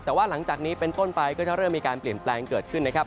แต่ว่าหลังจากนี้เป็นต้นไปก็จะเริ่มมีการเปลี่ยนแปลงเกิดขึ้นนะครับ